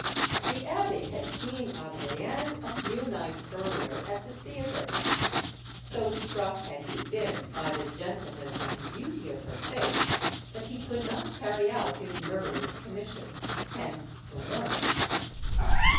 The abbe had seen Adrienne a few nights earlier at the theater. So struck had be been by the gentle ness and beauty of her face that he could not carry out his murderous commission. Hence the warning.